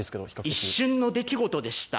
一瞬の出来事でした。